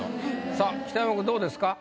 さあ北山君どうですか？